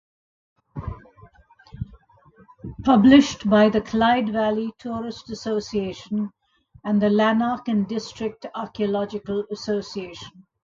Published by the Clyde Valley Tourist Association and the Lanark and District Archaeological Association.